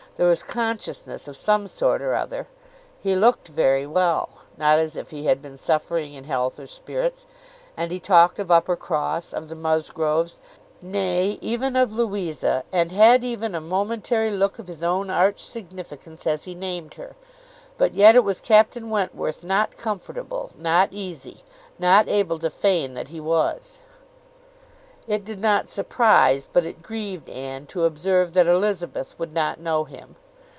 There was consciousness of some sort or other. He looked very well, not as if he had been suffering in health or spirits, and he talked of Uppercross, of the Musgroves, nay, even of Louisa, and had even a momentary look of his own arch significance as he named her; but yet it was Captain Wentworth not comfortable, not easy, not able to feign that he was. It did not surprise, but it grieved Anne to observe that Elizabeth would not know him.